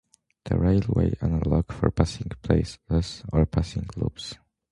The railway analog for passing places are passing loops.